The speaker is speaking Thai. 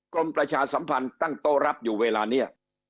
ประชาสัมพันธ์ตั้งโต๊ะรับอยู่เวลานี้